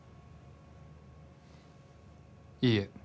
いいえ。